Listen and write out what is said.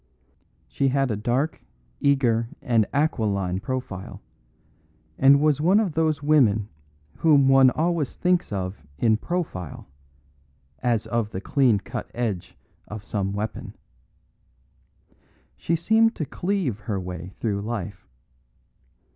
She had a dark, eager and aquiline profile, and was one of those women whom one always thinks of in profile, as of the clean cut edge of some weapon. She seemed to cleave her way through life.